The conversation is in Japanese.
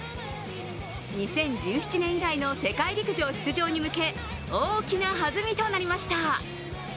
２０１７年以来の世界陸上出場に向け大きなはずみとなりました。